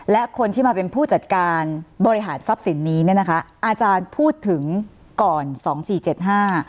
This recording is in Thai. และคนที่มาเป็นผู้จัดการบริหารทรัพย์สินนี้เนี่ยนะคะอาจารย์พูดถึงก่อนสองสี่เจ็ดห้า